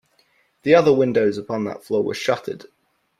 The other windows upon that floor were shuttered.